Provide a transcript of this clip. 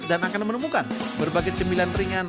akan menemukan berbagai cemilan ringan